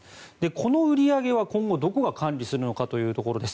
この売り上げは今後どこが管理するのかというところです。